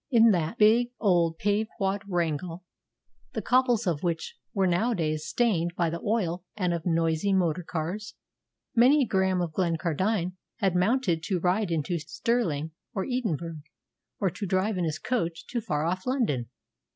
In that big, old, paved quadrangle, the cobbles of which were nowadays stained by the oil of noisy motor cars, many a Graham of Glencardine had mounted to ride into Stirling or Edinburgh, or to drive in his coach to far off London.